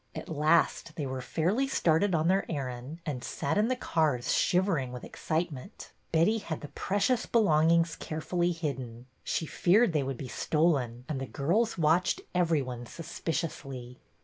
At last they were fairly started on their errand and sat in the cars shiv ering with excitement. Betty had the precious belongings carefully hidden. She feared they would be stolen, and the girls watched every one suspiciously.